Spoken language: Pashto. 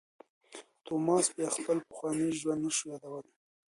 توماس بیا خپل پخوانی ژوند نه شو یادولای.